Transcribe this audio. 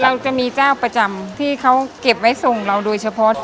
เราจะมีเจ้าประจำที่เขาเก็บไว้ส่งเราโดยเฉพาะ